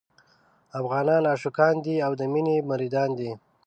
افغانان عاشقان دي او د مينې مريدان دي.